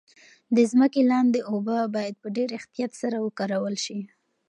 د ځمکې لاندې اوبه باید په ډیر احتیاط سره وکارول شي.